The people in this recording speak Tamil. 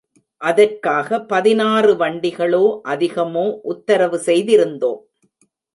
அதற்காக பதினாறு வண்டிகளோ அதிகமோ, உத்தரவு செய்திருந்தோம்.